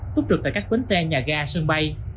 túc trực tại các bến xe nhà ga sân bay